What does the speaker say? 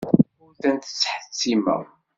Ur tent-ttḥettimeɣ.